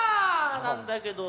なんだけど。